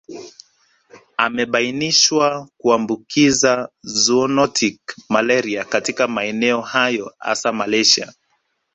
Amebainishwa kuambukiza zoonotic malaria katika maeneo hayo hasa Malaysia